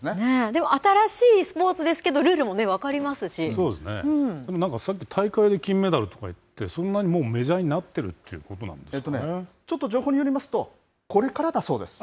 でも新しいスポーツですけど、でもなんかさっき、大会で金メダルとかいって、そんなにもうメジャーになってるということなちょっと情報によりますと、これからだそうです。